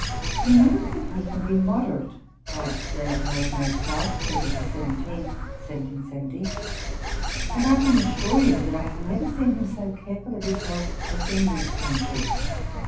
"You know that he can be moderate," writes L. Mozart (February 17,1770), and I can assure you that I have never seen him so careful of his health as in this country.